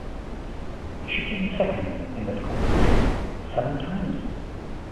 She came second in that competition seven times.